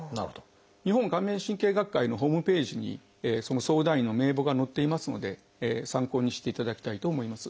日本顔面神経学会のホームページにその相談医の名簿が載っていますので参考にしていただきたいと思います。